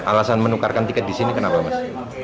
alasan menukarkan tiket di sini kenapa mas